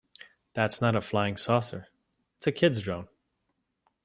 That's not a flying saucer, its a kids drone.